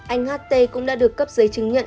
anh hát t cũng đã được cấp giấy chứng nhận